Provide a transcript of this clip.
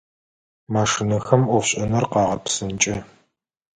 Машинэхэм ӏофшӏэныр къагъэпсынкӏэ.